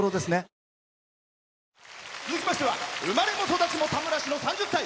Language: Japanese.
続きましては生まれも育ちも田村市の３０歳。